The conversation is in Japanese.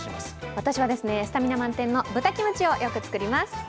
私はスタミナ満点の豚キムチをよく作ります。